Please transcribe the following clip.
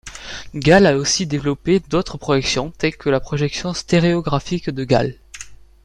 Gall a aussi développé d'autres projections, telles que la projection stéréographique de Gall.